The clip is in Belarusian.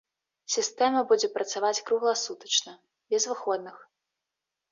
Сістэма будзе працаваць кругласутачна, без выходных.